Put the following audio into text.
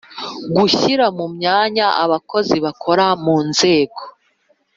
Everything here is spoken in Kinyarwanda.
Gushyira mu myanya abakozi bakora mu nzego